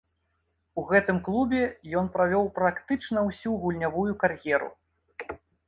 У гэтым клубе ён правёў практычна ўсю гульнявую кар'еру.